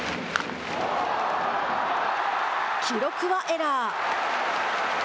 記録はエラー。